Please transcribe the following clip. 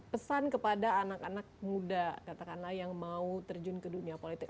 pesan kepada anak anak muda katakanlah yang mau terjun ke dunia politik